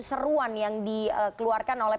seruan yang dikeluarkan oleh